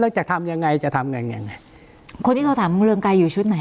แล้วจะทำยังไงจะทำยังไงยังไงคนที่เราถามคุณเรืองไกรอยู่ชุดไหน